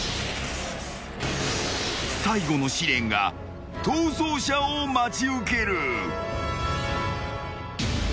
［最後の試練が逃走者を待ち受ける］